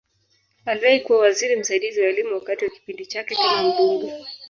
Aliwahi kuwa waziri msaidizi wa Elimu wakati wa kipindi chake kama mbunge.